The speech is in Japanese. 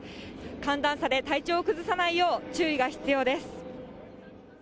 寒暖差で体調を崩さないよう、注意が必要です。